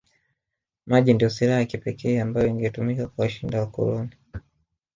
Maji ndiyo silaha ya kipekee ambayo ingetumika kuwashinda wakoloni